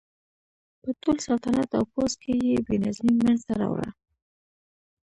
په ټول سلطنت او پوځ کې یې بې نظمي منځته راوړه.